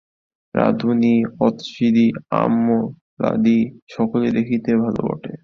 রানুদি, অতসীদি, অমলাদি, সকলেই দেখিতে ভালো বটে।